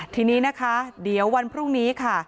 ทีนี้นะคะเดี๋ยววันพรุ่งนี้ค่ะ